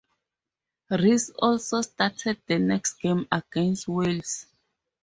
Rees also started the next game against Wales.